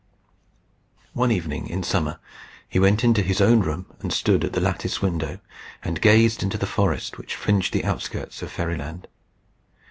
One evening, in summer, he went into his own room, and stood at the lattice window, and gazed into the forest which fringed the outskirts of Fairyland.